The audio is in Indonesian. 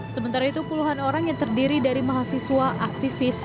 sementara itu puluhan orang yang terdiri dari mahasiswa aktivis